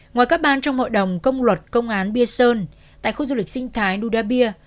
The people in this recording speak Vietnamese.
ngoài các ban trong hội đồng công luật công án biên sơn tại khu du lịch sinh thái nudabia